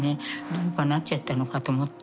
どうかなっちゃったのかと思って。